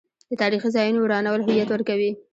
د تاریخي ځایونو ورانول هویت ورکوي.